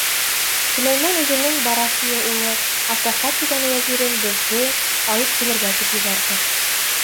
Сөләймән үҙенең Барахия улы Асафа тигән вәзирен беҙҙе алып килергә тип ебәрҙе.